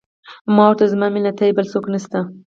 ما ورته وویل: زما مینه ته یې، بل څوک نه شته.